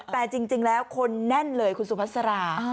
แต่จริงแล้วคนแน่นเลยคุณสุภาษา